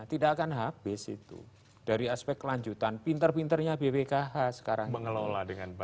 kita akan habis itu dari aspek kelanjutan pintar pintarnya bpkh sekarang ini